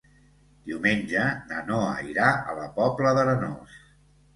Diumenge na Noa irà a la Pobla d'Arenós.